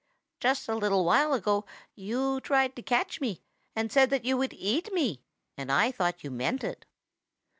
"Just a little while ago you tried to catch me and said that you would eat me, and I thought you meant it."